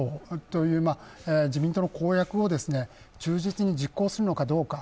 ＧＤＰ２％という自民党の公約を忠実に実行するのかどうか。